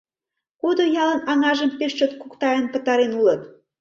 Кудо ялын аҥажым пеш чот куктаен пытарен улыт.